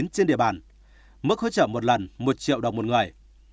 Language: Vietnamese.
trên địa bàn mức hỗ trợ một lần một triệu đồng một người